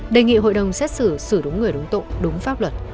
đề nghị hội đồng xét xử xử đúng người đúng tội đúng pháp luật